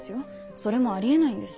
それもあり得ないんです。